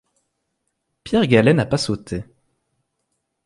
Pierre Gallay n'a pas sauté.